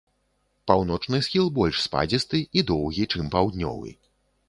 Паўночны схіл больш спадзісты і доўгі, чым паўднёвы.